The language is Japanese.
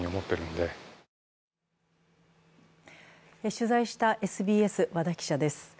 取材したＳＢＳ・和田記者です。